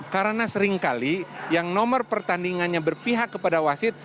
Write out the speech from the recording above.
karena seringkali yang nomor pertandingannya berpihak kepada wasid